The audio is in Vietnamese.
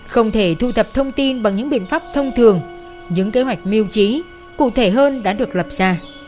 không thể thu thập thông tin bằng những biện pháp thông thường những kế hoạch miêu trí cụ thể hơn đã được lập ra